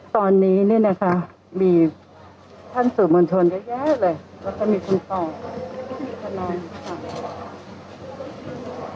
ตอนนี้นี่นะคะมีท่านสื่อบรรชนเยอะแยะเลยแล้วก็มีคุณต่อ